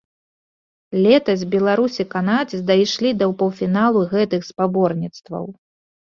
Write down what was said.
Летась беларус і канадзец дайшлі да паўфіналу гэтых спаборніцтваў.